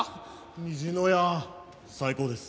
虹の屋最高です。